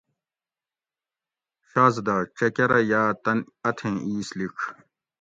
شازدہ چکرہ یاۤ تن اتھیں اِیس لِڄ